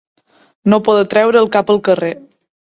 No poder treure el cap al carrer.